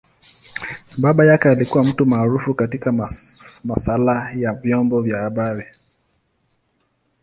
Baba yake alikua mtu maarufu katika masaala ya vyombo vya habari.